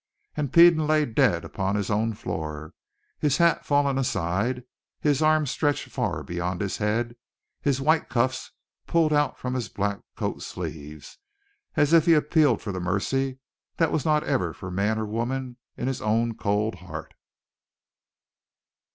And Peden lay dead upon his own floor, his hat fallen aside, his arms stretched far beyond his head, his white cuffs pulled out from his black coat sleeves, as if he appealed for the mercy that was not ever for man or woman in his own cold heart.